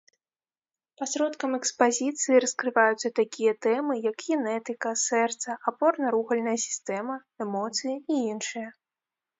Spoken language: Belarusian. Пасродкам экспазіцыі раскрываюцца такія тэмы, як генетыка, сэрца, апорна-рухальная сістэма, эмоцыі і іншыя.